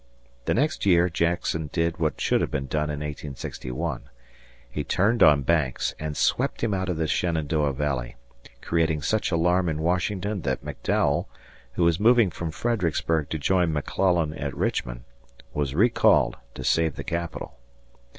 The next year Jackson did what should have been done in 1861. He turned on Banks and swept him out of the Shenandoah Valley, creating such alarm in Washington that McDowell, who was moving from Fredericksburg to join McClellan at Richmond, was recalled to save the Capital.